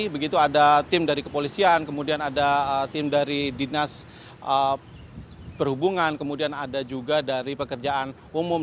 begitu ada tim dari kepolisian kemudian ada tim dari dinas perhubungan kemudian ada juga dari pekerjaan umum